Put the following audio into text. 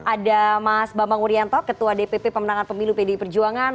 ada mas bambang wuryanto ketua dpp pemenangan pemilu pdi perjuangan